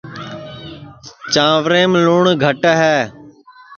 چانٚویم لُن گھٹ ہے